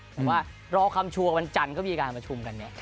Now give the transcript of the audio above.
หรือว่ารอคำชัวร์วันก็มีการข่าวสำหรับการประชุมกันเนี่ย